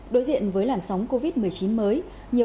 đối diện với làn sóng covid một mươi chín mới